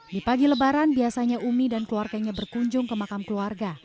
di pagi lebaran biasanya umi dan keluarganya berkunjung ke makam keluarga